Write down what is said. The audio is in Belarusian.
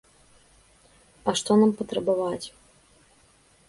А што нам патрабаваць?